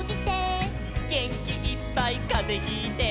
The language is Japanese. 「げんきいっぱいかぜひいて」